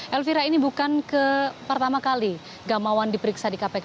elvira ini bukan pertama kali gamawan diperiksa di kpk